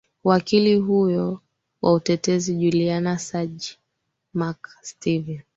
wakili huyo wa utetezi juliana sanj mark steven